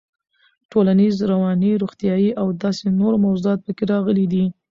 ټولنيز, رواني, روغتيايي او داسې نورو موضوعات پکې راغلي دي.